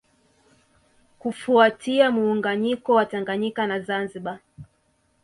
Kufuatia muunganiko wa Tanganyika na Zanzibar